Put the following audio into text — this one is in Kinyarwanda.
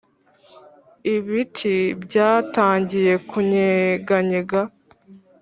ibiti byatangiye kunyeganyega ',